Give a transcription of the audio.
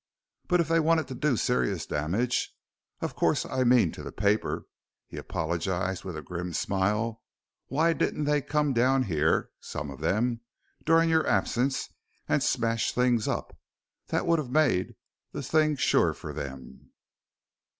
But if they wanted to do serious damage of course I mean to the paper," he apologized with a grim smile, "why didn't they come down here some of them during your absence, and smash things up? That would have made the thing sure for them."